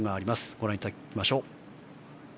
ご覧いただきましょう。